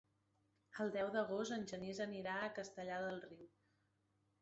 El deu d'agost en Genís anirà a Castellar del Riu.